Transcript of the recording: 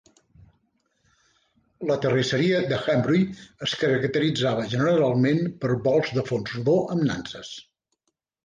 La terrisseria de Hembury es caracteritzava generalment per bols de fons rodó amb nanses.